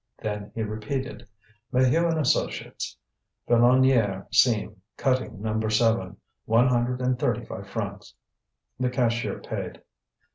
Then he repeated: "Maheu and associates, Filonniére seam, cutting No. 7. One hundred and thirty five francs." The cashier paid.